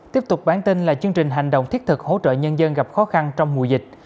tiếp tục bản tin là chương trình hành động thiết thực hỗ trợ nhân dân gặp khó khăn trong mùa dịch